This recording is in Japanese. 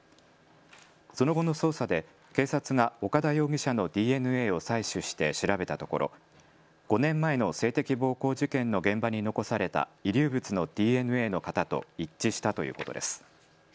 その後の捜査で警察が岡田容疑者のＤＮＡを採取して調べたところ５年前の性的暴行事件の現場に残された遺留物のＤＮＡの型と一致したということです。